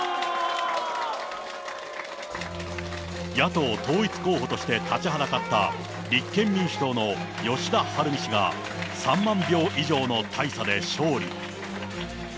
野党統一候補として立ちはだかった、立憲民主党の吉田晴美氏が３万票以上の大差で勝利。